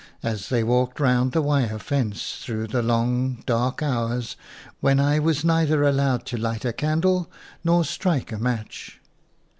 as they walked round the wire fence through the long, dark hours when I was nei ther allowed to light a candle nor strike FOREWORD a match.